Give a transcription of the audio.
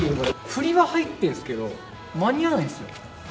振りは入ってるんですけど、間に合わないんですよ。